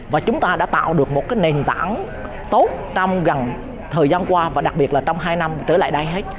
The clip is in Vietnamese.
và chúng ta đã tạo được một nền tảng tốt trong gần thời gian qua và đặc biệt là trong hai năm trở lại đây hết